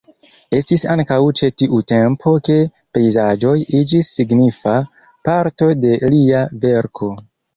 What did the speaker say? Estis ankaŭ ĉe tiu tempo ke pejzaĝoj iĝis signifa parto de lia verko.